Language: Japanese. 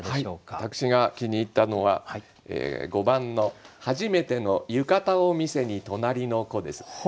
私が気に入ったのは５番の「はじめての浴衣を見せに隣の子」です。